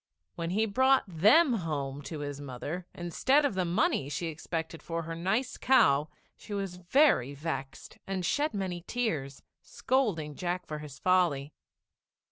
] When he brought them home to his mother instead of the money she expected for her nice cow, she was very vexed and shed many tears, scolding Jack for his folly.